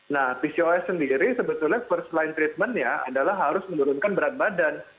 nah pcos sendiri sebetulnya first line treatmentnya adalah harus menurunkan berat badan